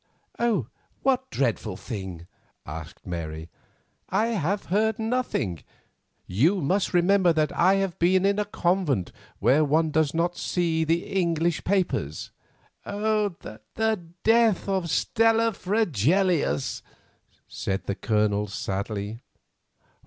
"What dreadful thing?" asked Mary. "I have heard nothing; you must remember that I have been in a convent where one does not see the English papers." "The death of Stella Fregelius," said the Colonel sadly.